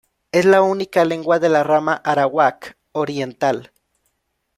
Es la única lengua de la rama arawak oriental.